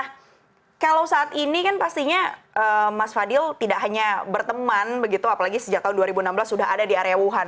nah kalau saat ini kan pastinya mas fadil tidak hanya berteman begitu apalagi sejak tahun dua ribu enam belas sudah ada di area wuhan